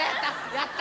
やった！